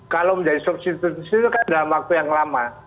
kalau menjadi substitusi itu kan dalam waktu yang lama